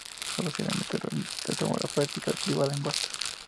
Posteriormente, retornó a la práctica privada en Boston.